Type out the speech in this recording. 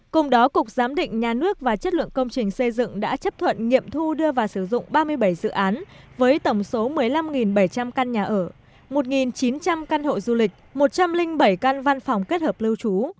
cùng đó cục giám định nhà nước và chất lượng công trình xây dựng đã chấp thuận nghiệm thu đưa và sử dụng ba mươi bảy dự án với tổng số một mươi năm bảy trăm linh căn nhà ở một chín trăm linh căn hộ du lịch một trăm linh bảy căn văn phòng kết hợp lưu trú